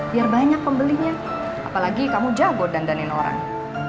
biar banyak pembelinya apalagi kamu jago dandanin orang